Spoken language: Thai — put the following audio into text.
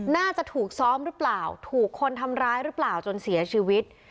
น่าจะถูกซ้อมหรือเปล่าถูกคนทำร้ายหรือเปล่าจนเสียชีวิต